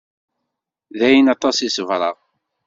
D ayen, aṭas i ṣebreɣ.